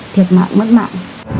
thiệt mạng mất mạng